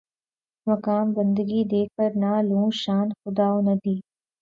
مقام بندگی دے کر نہ لوں شان خداوندی